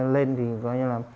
lên thì gọi như là